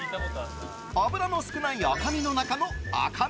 脂の少ない赤身の中の赤身。